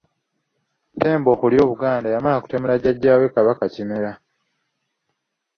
Ttembo okulya Obuganda yamala kutemula Jjajjaawe Kabaka Kimera.